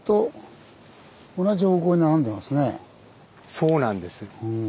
そうなんです。